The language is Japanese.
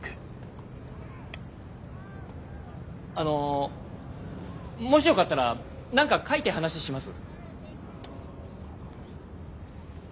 あのもしよかったら何か書いて話します？